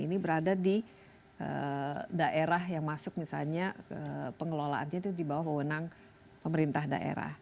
ini berada di daerah yang masuk misalnya pengelolaannya itu di bawah wewenang pemerintah daerah